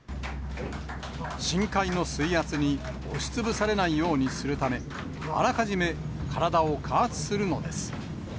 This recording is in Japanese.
深海の水圧に押しつぶされないようにするため、あらかじめ体を加圧するのです。